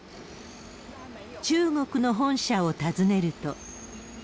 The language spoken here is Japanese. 中国の本社を訪ねると。